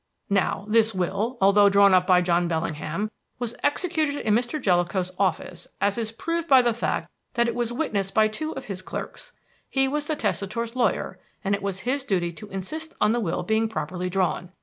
"Now, this will, although drawn up by John Bellingham, was executed in Mr. Jellicoe's office as is proved by the fact that it was witnessed by two of his clerks. He was the testator's lawyer, and it was his duty to insist on the will being properly drawn.